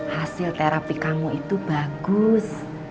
hasil terapi kamu itu bagus